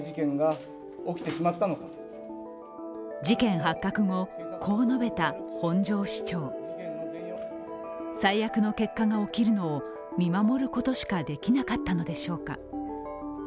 事件発覚後、こう述べた本庄市長最悪の結果が起きるのを見守ることしかできなかったのでしょうか。